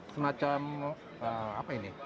semacam apa ini